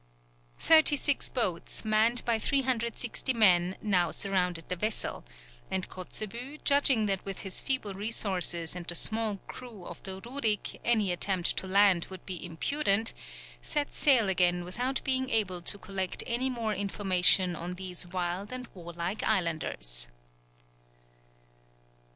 Thirty six boats, manned by 360 men, now surrounded the vessel, and Kotzebue, judging that with his feeble resources and the small crew of the Rurik any attempt to land would be imprudent, set sail again without being able to collect any more information on these wild and warlike islanders.